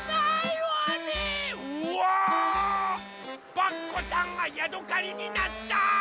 パクこさんがヤドカリになった！